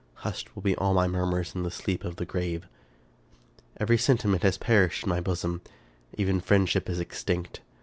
Hushed will be all my murmurs in the sleep of the grave. Every sentiment has perished in my bosom. Even friend ship is extinct.